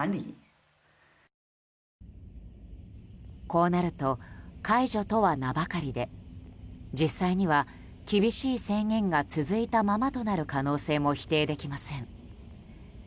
こうなると解除とは名ばかりで実際には厳しい制限が続いたままとなる可能性も否定できません。